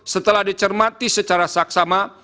setelah dicermati secara saksama